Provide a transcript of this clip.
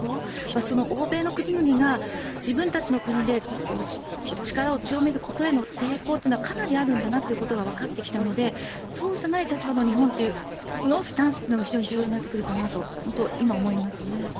その欧米の国々が自分たちの国で力を強めることへの抵抗というのはかなりあるんだなということがわかってきたのでそうじゃない立場の日本のスタンスが非常に重要になってくるのかなと今、思いますね。